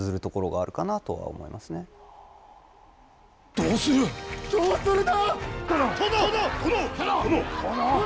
どうするの？